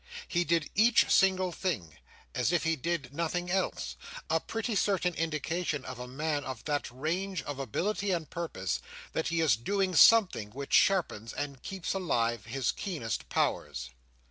He did each single thing, as if he did nothing else—a pretty certain indication in a man of that range of ability and purpose, that he is doing something which sharpens and keeps alive his keenest powers.